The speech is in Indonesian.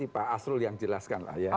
pak asrul yang jelaskan lah ya